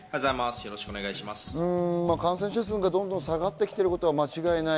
感染者数がどんどん下がってきていることは間違いない。